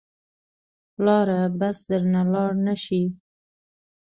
پلاره بس درنه لاړ نه شې.